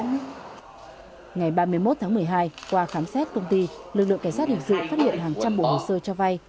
ngày ba mươi một tháng một mươi hai qua khám xét công ty lực lượng cảnh sát hình sự phát hiện hàng trăm bộ hồ sơ cho vay